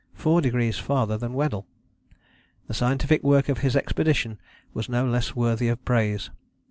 four degrees farther than Weddell. The scientific work of his expedition was no less worthy of praise.